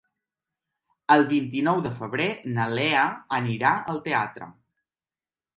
El vint-i-nou de febrer na Lea anirà al teatre.